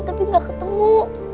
tapi gak ketemu